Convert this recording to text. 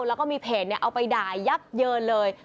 แล้วก็มีเพจเอาไปด่ายับเยินเลย